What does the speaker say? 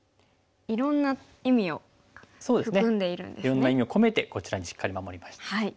いろんな意味を込めてこちらにしっかり守りました。